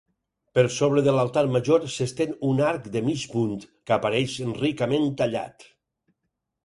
Per sobre de l'altar major s'estén un arc de mig punt que apareix ricament tallat.